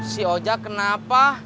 si oja kenapa